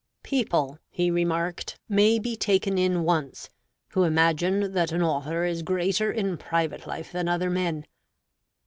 "People" (he remarked) "may be taken in once, who imagine that an author is greater in private life than other men.